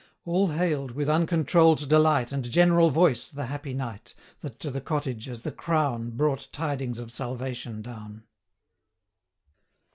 45 All hail'd, with uncontroll'd delight, And general voice, the happy night, That to the cottage, as the crown, Brought tidings of salvation down.